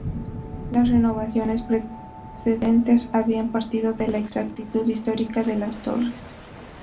Las renovaciones precedentes habían partido de la exactitud histórica de las torres.